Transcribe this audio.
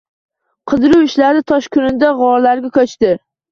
Qidiruv ishlari tosh konidagi g`orlarga ko`chdi